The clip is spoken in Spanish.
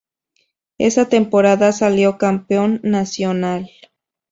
Esa temporada salió campeón nacional.